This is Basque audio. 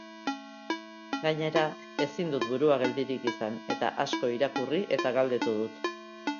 Gainera, ezin dut burua geldirik izan eta asko irakurri eta galdetu dut.